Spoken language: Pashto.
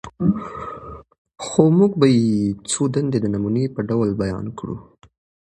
خو موږ به ئې څو دندي د نموني په ډول بيان کړو: